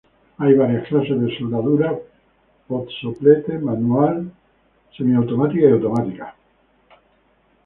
Hay varias clases de soldadura por soplete, manual, semiautomática y automática.